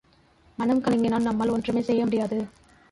மனம் கலங்கினால் நம்மால் ஒன்றுமே செய்ய முடியாது.